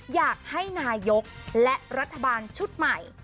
อยากให้นายกและรัฐบาลชุดใหม่